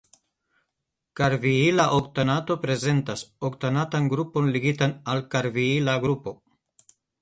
Karviila oktanato prezentas oktanatan grupon ligitan al karviila grupo.